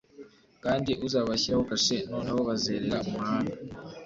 Kandi uzabashyiraho kashe; noneho bazerera mumahanga